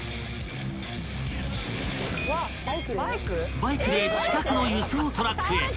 ［バイクで近くの輸送トラックへ］